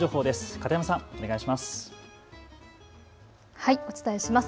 片山さん、お願いします。